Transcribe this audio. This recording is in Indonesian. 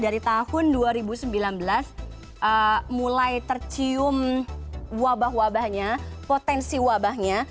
dari tahun dua ribu sembilan belas mulai tercium wabah wabahnya potensi wabahnya